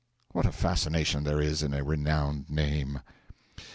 What a fascination there is in a renowned name!